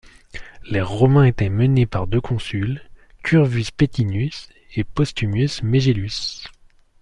Les Romains étaient menés par deux consuls, Curvus Paetinus et Postumius Megellus.